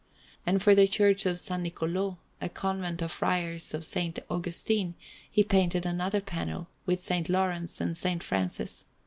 And for the Church of S. Niccolò, a convent of Friars of S. Augustine, he painted another panel with S. Laurence and S. Francis.